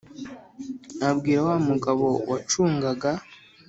Abwira wa mugabo wacungaga